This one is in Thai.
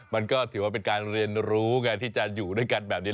มันก็ถือว่าเป็นการเรียนรู้ไงที่จะอยู่ด้วยกันแบบนี้